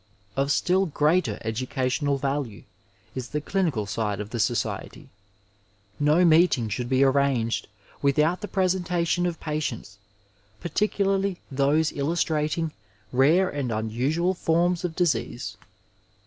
Of still greater educational value is the clinical side of the society. No meeting shotdd be arranged without the presentation of patients, par ticularly those illustrating rare and unusual forms of disease.